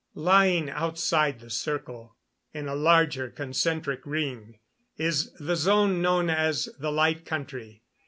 Lying outside the circle, in a larger, concentric ring, is the zone known as the Light Country.